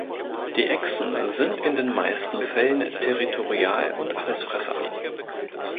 Die Echsen sind in den meisten Fällen territorial und Allesfresser.